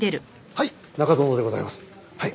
はい！